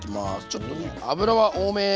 ちょっとね油は多め。